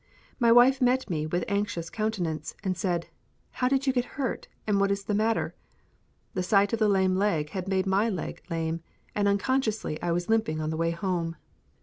My wife met me with anxious countenance, and said, "How did you get hurt, and what is the matter?" The sight of the lame leg had made my leg lame, and unconsciously I was limping on the way home.